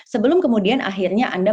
sebelum kemudian akhirnya anda